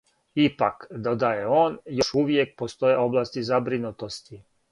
Ипак, додаје он, још увијек постоје области забринутости.